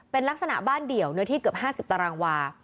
เป็นลักษณะบ้านเดี่ยวเนื้อที่เกือบ๕๐ตารางวา